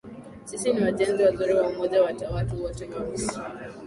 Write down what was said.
sisi ni wajenzi wazuri wa umoja wa watu wote wa misri